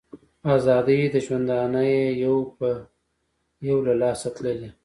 آزادۍ د ژوندانه یې یو په یو له لاسه تللي